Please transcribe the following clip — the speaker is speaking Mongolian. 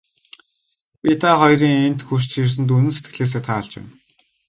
Би та хоёрын энд хүрч ирсэнд үнэн сэтгэлээсээ таалж байна.